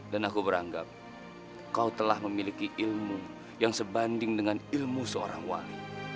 dan aku beranggap kau telah memiliki ilmu yang sebanding dengan ilmu seorang wali